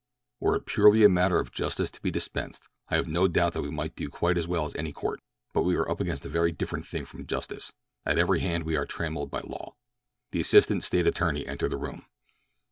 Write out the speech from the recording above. "Were it purely a matter of justice to be dispensed, I have no doubt but that we might do quite as well as any court; but we are up against a very different thing from justice—at every hand we are trammeled by law." The assistant State attorney entered the room.